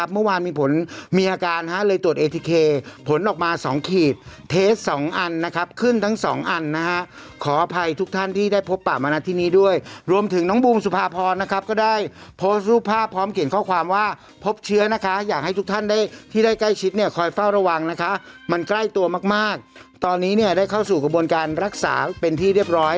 มันใกล้ตัวมากตอนนี้เนี่ยได้เข้าสู่กระบวนการรักษาเป็นที่เรียบร้อย